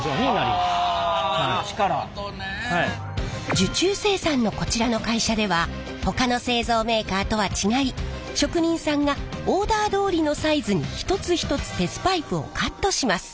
受注生産のこちらの会社ではほかの製造メーカーとは違い職人さんがオーダーどおりのサイズに一つ一つ鉄パイプをカットします。